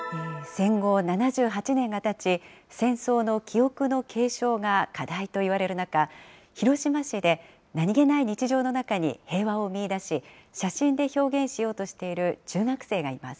戦後７８年がたち、戦争の記憶の継承が課題といわれる中、広島市で何気ない日常の中に平和を見いだし、写真で表現しようとしている中学生がいます。